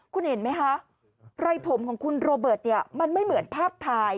คุณเห็นไหมคะไรผมของคุณโรเบิร์ตเนี่ยมันไม่เหมือนภาพถ่าย